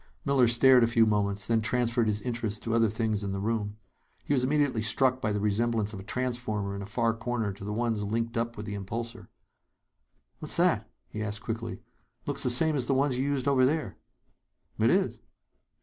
Miller stared a few moments; then transferred his interests to other things in the room. He was immediately struck by the resemblance of a transformer in a far corner to the ones linked up with the impulsor. "What's that?" he asked quickly. "Looks the same as the ones you used over there." "It is."